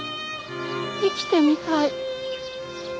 生きてみたい。